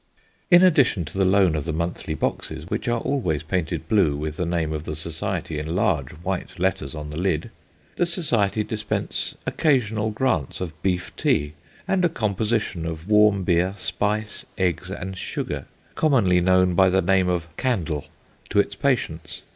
In addition to the loan of the monthly boxes (which are always painted blue, with the name of the society in large white letters on the lid), the society dispense occasional grants of beef tea, and a com position of warm beer, spice, eggs, and sugar, commonly known by the name of " caudle," to its patients.